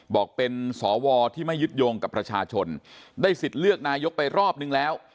บอกเป็นสวที่ไม่ยึดโยงกับประชาชนได้สิทธิ์เลือกนายกไปรอบนึงแล้ว